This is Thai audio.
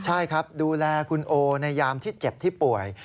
ใช่ครับดูแลคุณโอในยามที่เจ็บที่ป่วย